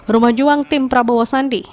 rumah juang tim prabowo sandi